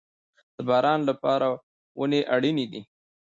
د باران لپاره ونې اړین دي